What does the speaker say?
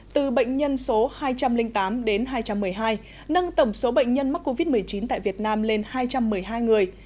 từ bệnh nhân số hai trăm linh tám đến hai trăm một mươi hai nâng tổng số bệnh nhân mắc covid một mươi chín tại việt nam lên hai trăm một mươi hai người